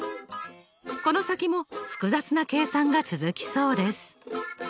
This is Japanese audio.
この先も複雑な計算が続きそうです。